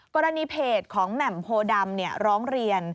กรณีเพจของแหม่มโพดำร้องเรียน